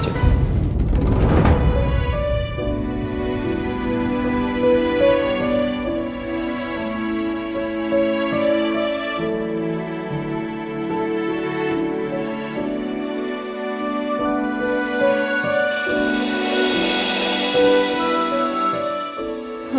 mudah mudahan rizky baik baik aja